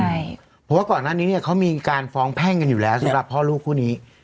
เพราะว่าก่อนหน้านี้เนี่ยเขามีการฟ้องแพ่งกันอยู่แล้วสำหรับพ่อลูกคู่นี้